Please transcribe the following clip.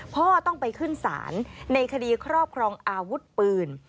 พ่อต้องไปขึ้นศาลในคดีครอบครองอาวุธปืน